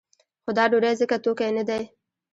خو دا ډوډۍ ځکه توکی نه دی.